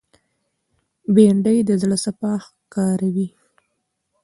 بېنډۍ د زړه صفا ښکاروي